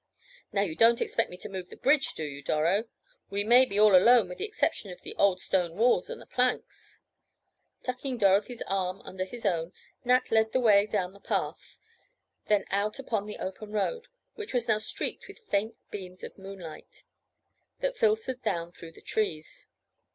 "Now you don't expect me to move the bridge, do you, Doro? We may be all alone with the exception of the old stone walls and the planks." Tucking Dorothy's arm under his own, Nat led the way down the path, then out upon the open road, which was now streaked with faint beams of moonlight, that filtered down through the trees.